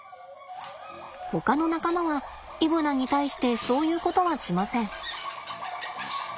ほかの仲間はイブナに対してそういうことはしません。